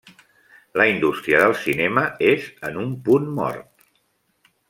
La indústria del cinema és en un punt mort.